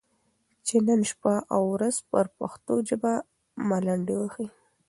چې نن شپه او ورځ پر پښتو ژبه ملنډې وهي،